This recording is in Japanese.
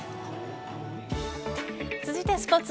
続いてはスポーツ。